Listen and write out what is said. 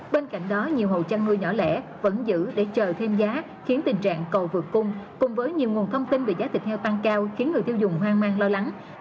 bên cạnh đó nhiều hộ chăn nuôi nhỏ lẻ vẫn giữ để chờ thêm giá khiến tình trạng cầu vượt cung cùng với nhiều nguồn thông tin về giá thịt heo tăng cao khiến người tiêu dùng hoang mang lo lắng